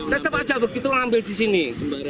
tetap aja begitu ngambil di sini